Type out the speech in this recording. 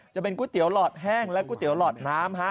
จะเป็นก๋วยเตี๋หลอดแห้งและก๋วเตี๋หลอดน้ำ